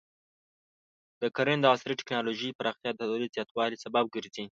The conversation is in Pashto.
د کرنې د عصري ټکنالوژۍ پراختیا د تولید زیاتوالي سبب ګرځي.